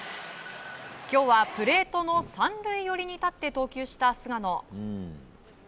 今日はプレートの３塁寄りに立って投球した菅野。